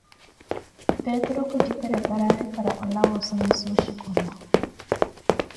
Peturu khutxipereperari para oolawa ossomima oxhicola